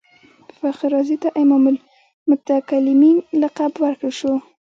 فخر رازي ته امام المتکلمین لقب ورکړل شو.